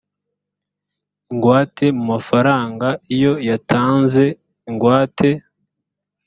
ingwate mu mafaranga iyo yatanze ingwate